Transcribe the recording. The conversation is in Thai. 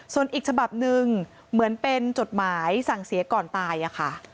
ส่วนอีกฉบับหนึ่งเหมือนเป็นจดหมายสั่งเสียก่อนตายอะค่ะ